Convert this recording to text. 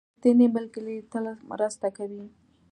• ریښتینی ملګری تل ستا مرسته کوي.